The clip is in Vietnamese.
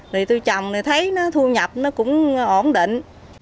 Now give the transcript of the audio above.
thì tôi trồng thì thấy nó thu nhập nó cũng ổn định